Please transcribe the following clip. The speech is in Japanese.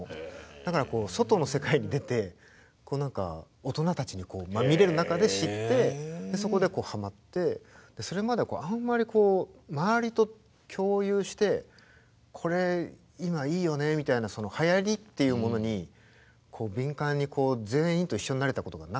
だから外の世界に出て大人たちにまみれる中で知ってそこではまってそれまではあんまり周りと共有してこれ今いいよねみたいなはやりっていうものに敏感に全員と一緒になれたことがなかったんですよ。